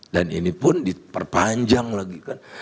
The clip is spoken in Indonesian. dan ini pun diperpanjang lagi kan